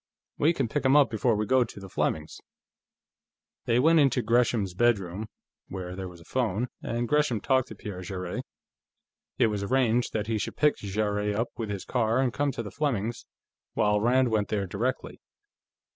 We can pick him up before we go to the Flemings'." They went into Gresham's bedroom, where there was a phone, and Gresham talked to Pierre Jarrett. It was arranged that he should pick Jarrett up with his car and come to the Flemings', while Rand went there directly.